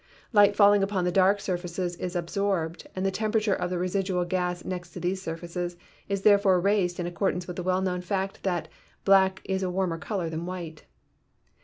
Light falling upon the dark surfaces is absorbed, and the temperature of the residual gas next these surfaces is therefore raised in accordance with the well known fact that "black is a warmer color than white."